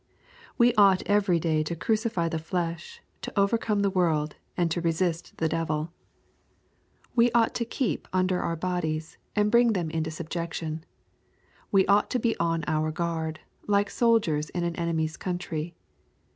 We ought every day to crucify the flesh, to overcome the world, and to resist the devil. We ought 310 EXPOBITOBY THOUaHTS, to keep under our bodies, and bring them into subjection. We ought to be on our guard, like soldiers in an enemy's country.